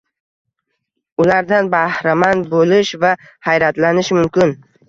Ulardan bahramand bo‘lish va hayratlanish mumkin.